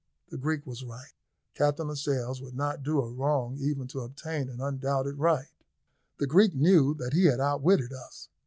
The Greek was right; Captain Lascelles would not do a wrong even to obtain an undoubted right. The Greek knew that he had outwitted us.